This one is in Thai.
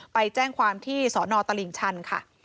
ไปแจ้งความที่สนตลิ่งชันค่ะ